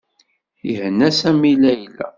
Ihenna Sami Layla.